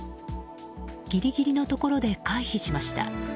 ギリギリのところで回避しました。